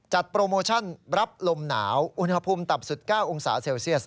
โปรโมชั่นรับลมหนาวอุณหภูมิต่ำสุด๙องศาเซลเซียส